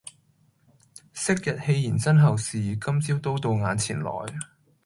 昔日戲言身后事，今朝都到眼前來。